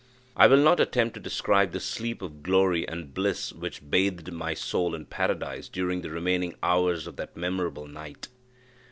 I will not attempt to describe the sleep of glory and bliss which bathed my soul in paradise during the remaining hours of that memorable night.